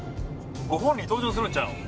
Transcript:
ご本人登場するんちゃうん？